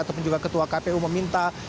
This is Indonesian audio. ataupun juga ketua kpu meminta